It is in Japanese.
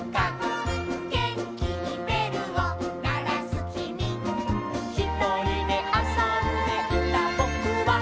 「げんきにべるをならすきみ」「ひとりであそんでいたぼくは」